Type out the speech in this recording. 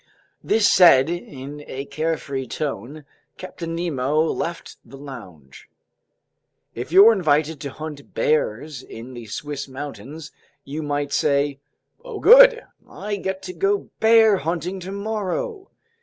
This said in a carefree tone, Captain Nemo left the lounge. If you're invited to hunt bears in the Swiss mountains, you might say: "Oh good, I get to go bear hunting tomorrow!"